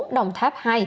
đồng tháp hai